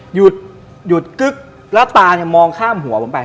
หยุดหยุดกึ๊กแล้วตาเนี่ยมองข้ามหัวผมไป